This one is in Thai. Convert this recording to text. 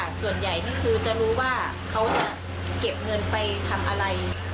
แล้วก็ส่วนใหญ่คือถ้าเก็บไว้มากก็เขาจะมีของเซอร์ไพรส์ตลอดค่ะ